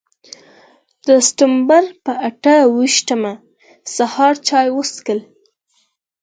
د سپټمبر پر اته ویشتمه سهار چای وڅښلې.